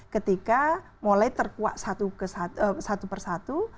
ketika mulai terkuat satu persatu